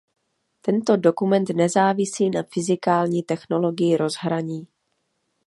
Tento dokument nezávisí na fyzikální technologii rozhraní.